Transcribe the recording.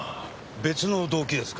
別の動機ですか？